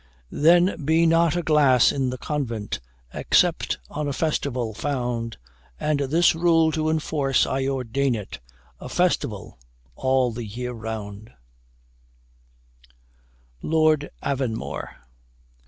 Then be not a glass in the convent, Except on a festival, found And this rule to enforce, I ordain it A festival all the year round. LORD AVONMORE.